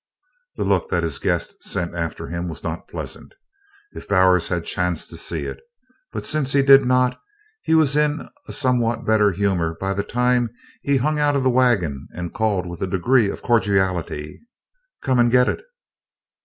The look that his guest sent after him was not pleasant, if Bowers had chanced to see it, but since he did not, he was in a somewhat better humor by the time he hung out of the wagon and called with a degree of cordiality: "Come and git it!"